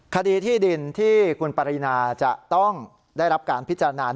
คดีที่ดินที่คุณปรินาจะต้องได้รับการพิจารณา